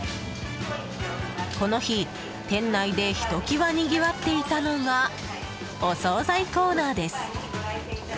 この日、店内でひときわにぎわっていたのがお総菜コーナーです。